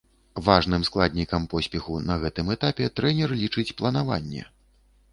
Важным складнікам поспеху на гэтым этапе трэнер лічыць планаванне.